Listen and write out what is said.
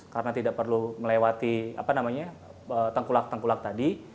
karena tidak perlu melewati tengkulak tengkulak tadi